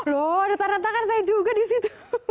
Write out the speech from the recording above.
loh ada tanda tangan saya juga di situ